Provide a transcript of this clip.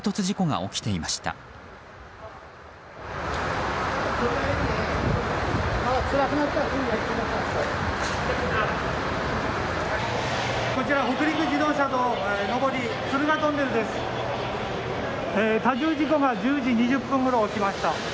多重事故が１０時２０分ごろ起きました。